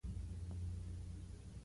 پسه له انسان سره ژور